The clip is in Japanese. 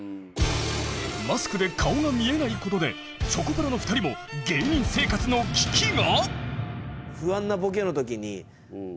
マスクで顔が見えないことでチョコプラの２人も芸人生活の危機が！？